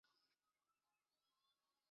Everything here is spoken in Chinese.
此派得名于他们使用的辩论技巧。